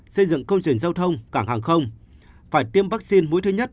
xây dựng công trình giao thông cảng hàng không phải tiêm vaccine mũi thứ nhất